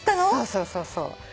そうそうそうそう。